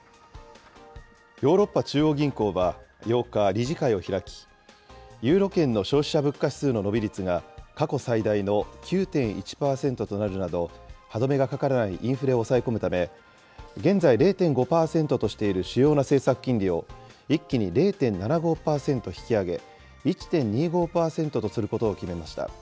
ヨーロッパ中央銀行は、８日、理事会を開き、ユーロ圏の消費者物価指数の伸び率が過去最大の９．１％となるなど、歯止めがかからないインフレを抑え込むため、現在０．５％としている主要な政策金利を、一気に０．７５％引き上げ、１．２５％とすることを決めました。